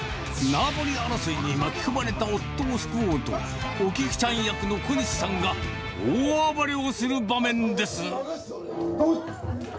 縄張り争いに巻き込まれた夫を救おうと、お菊ちゃん役の小西さんが、大暴れをする場面です。